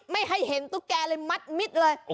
ไม่ให้เห็นตุ๊กแกเลยมัดมิดเลย